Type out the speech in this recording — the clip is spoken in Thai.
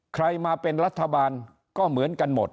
ใครมาเป็นรัฐบาลก็เหมือนกันหมด